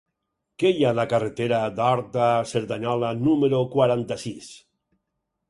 Què hi ha a la carretera d'Horta a Cerdanyola número quaranta-sis?